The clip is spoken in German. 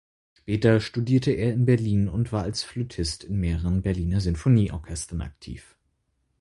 Später studierte er in Berlin und war als Flötist in mehreren Berliner Sinfonieorchestern aktiv.